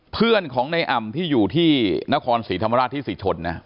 เพื่อนของในอ่ำที่อยู่ที่นครศรีธรรมราชที่ศรีชนนะ